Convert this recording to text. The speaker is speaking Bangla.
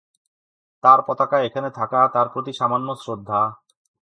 তার পতাকা এখানে থাকা তার প্রতি সামান্য শ্রদ্ধা।